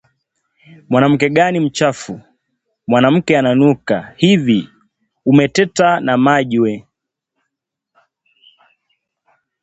"Mwanamke gani mchafu! Mwanamke unanuka! Hivi umeteta na maji we